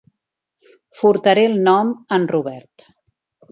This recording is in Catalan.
Furtaré el nom a en Robert.